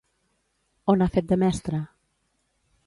On ha fet de mestra?